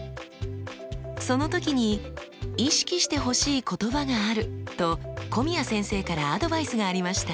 その時に意識してほしい言葉があると古宮先生からアドバイスがありました。